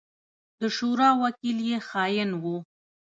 د شورا وکيل يې خائن وو.